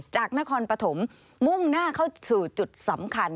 จากนครปฐมมุ่งหน้าเข้าสู่จุดสำคัญ